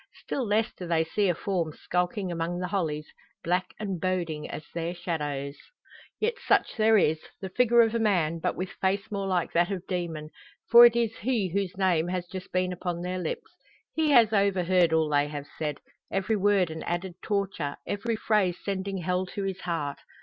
Still less do they see a form skulking among the hollies, black and boding as their shadows. Yet such there is; the figure of a man, but with face more like that of demon for it is he whose name has just been upon their lips. He has overheard all they have said; every word an added torture, every phrase sending hell to his heart.